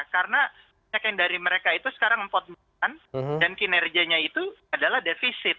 karena penyekian dari mereka itu sekarang empat bulan dan kinerjanya itu adalah defisit